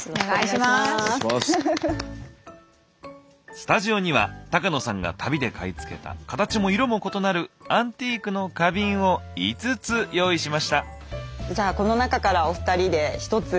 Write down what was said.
スタジオには高野さんが旅で買い付けたカタチも色も異なるアンティークの花瓶を５つ用意しました。